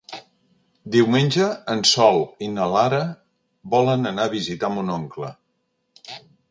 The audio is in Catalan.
Diumenge en Sol i na Lara volen anar a visitar mon oncle.